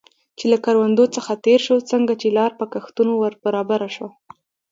چې له کروندو څخه تېر شو، څنګه چې لار په کښتونو ور برابره شوه.